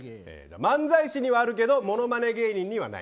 漫才師にはあるけどモノマネ芸人にはない。